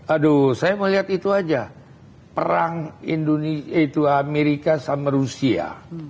aduh saya melihat itu saja perang amerika sama rusia